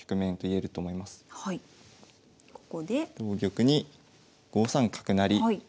同玉に５三角成。